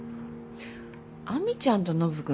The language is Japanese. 亜美ちゃんとノブ君